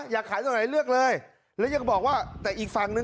อยากขายตรงไหนเลือกเลยแล้วยังบอกว่าแต่อีกฝั่งนึง